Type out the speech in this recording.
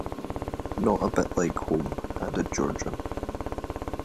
"Not a bit like home," added Georgia.